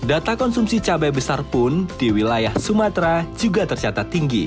data konsumsi cabai besar pun di wilayah sumatera juga tercatat tinggi